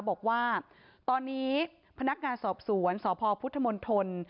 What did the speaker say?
บอกว่าตอนนี้พนักงานสอบสวนสพทน